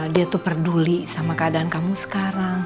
dia tuh peduli sama keadaan kamu sekarang